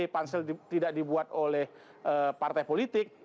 pansel tidak dibuat oleh partai politik